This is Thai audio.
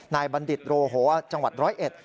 นายบันดิษฐ์โรโหจังหวัดร้อยเอ็ด